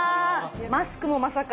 マスクもまさか。